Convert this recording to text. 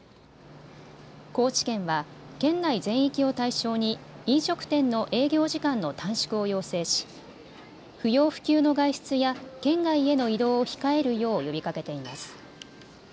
高知県は県内全域を対象に飲食店の営業時間の短縮を要請し不要不急の外出や県外への移動を控えるよう呼びかけています。